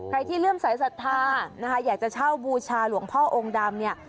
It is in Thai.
ที่เริ่มสายศรัทธานะคะอยากจะเช่าบูชาหลวงพ่อองค์ดำเนี่ย